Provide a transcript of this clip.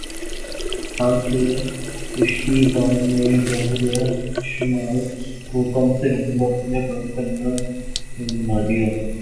France کے کشتی بان نے بحیرہ شمال کو کم ترین وقت میں پار کرنے کا ریکارڈ بنا دیا